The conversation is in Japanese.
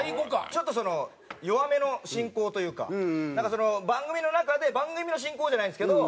ちょっとその弱めの進行というかなんか番組の中で番組の進行じゃないですけど